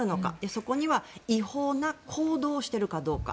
そこには違法な行動をしているかどうか。